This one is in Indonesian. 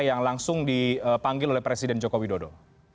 yang langsung dipanggil oleh presiden jokowi dodo